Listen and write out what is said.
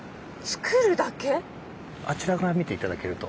あちら側見て頂けると。